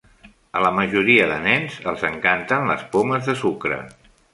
A la majoria de nens els encanten les pomes de sucre